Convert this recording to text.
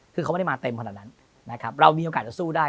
คือเขาไม่ได้มาเต็มขนาดนั้นนะครับเรามีโอกาสจะสู้ได้